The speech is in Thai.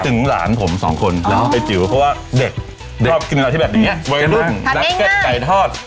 หลานผมสองคนเนาะไอ้จิ๋วเพราะว่าเด็กชอบกินอะไรที่แบบอย่างนี้วัยรุ่นนักเก็ตไก่ทอด